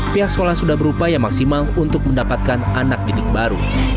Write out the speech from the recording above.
pihak sekolah sudah berupaya maksimal untuk mendapatkan anak didik baru